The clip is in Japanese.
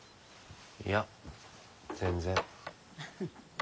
いや全然。